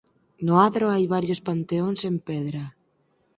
No adro hai varios panteóns en pedra.